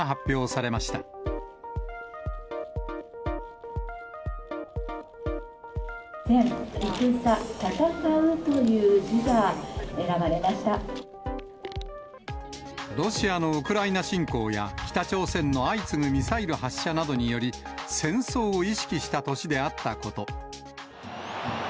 せん、いくさ、たたかう、ロシアのウクライナ侵攻や、北朝鮮の相次ぐミサイル発射などにより、戦争を意識した年であったこと。